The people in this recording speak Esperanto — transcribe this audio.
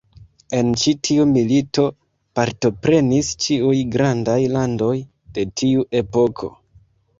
En ĉi tiu milito partoprenis ĉiuj grandaj landoj de tiu epoko.